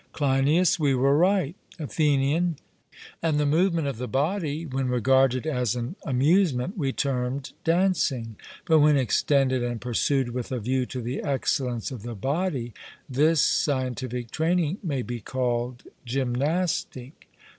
CLEINIAS: We were right. ATHENIAN: And the movement of the body, when regarded as an amusement, we termed dancing; but when extended and pursued with a view to the excellence of the body, this scientific training may be called gymnastic.